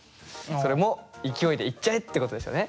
それも勢いでいっちゃえってことですよね。